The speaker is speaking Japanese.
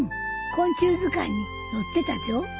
昆虫図鑑に載ってたじょ。